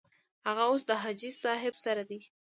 هغه اوس د حاجي صاحب سره دی.